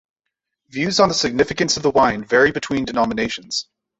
Views on the significance of the wine vary between denominations.